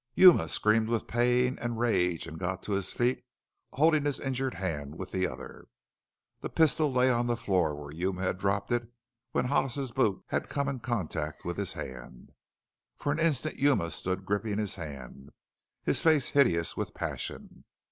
Yuma screamed with pain and rage and got to his feet, holding his injured hand with the other. The pistol lay on the floor where Yuma had dropped it when Hollis's boot had come in contact with his hand. For an instant Yuma stood gripping his hand, his face hideous with passion.